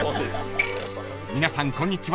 ［皆さんこんにちは